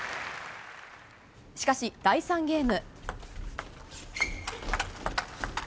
しかし、第３ゲーム。